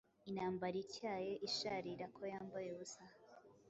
Intambara ityaye isharira ko yambaye ubusa